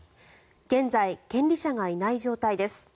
現在、権利者がいない状態です。